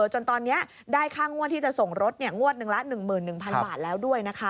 จนตอนนี้ได้ค่างวดที่จะส่งรถงวดหนึ่งละ๑๑๐๐๐บาทแล้วด้วยนะคะ